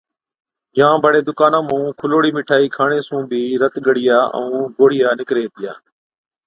يان بڙي دُڪانا مُون کُلوڙِِ مٺائِي کاڻي سُون بِي رت ڳڙِيا ائُون گوڙهِيا نِڪري هِتِيا۔